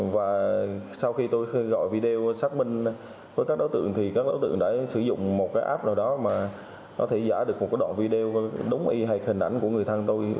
và sau khi tôi gọi video xác minh với các đối tượng thì các đối tượng đã sử dụng một cái app nào đó mà nó thể giải được một cái đoạn video đúng y hệt hình ảnh của người thăng tôi